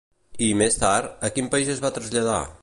I, més tard, a quin país es va traslladar?